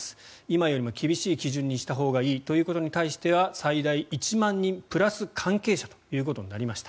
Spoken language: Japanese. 今よりも厳しい基準にしたほうがいいということに対しては最大１万人プラス関係者ということになりました。